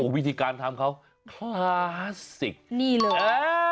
โอ้ววิธีการทำเขาคลาสสิกนี่เหรอเอ่อ